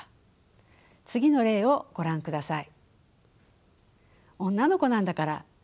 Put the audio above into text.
次の例をご覧ください。